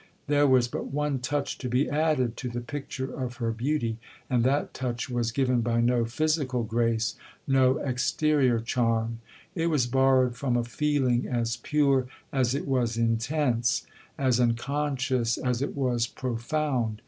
There was but one touch to be added to the picture of her beauty, and that touch was given by no physical grace,—no exterior charm. It was borrowed from a feeling as pure as it was intense,—as unconscious as it was profound.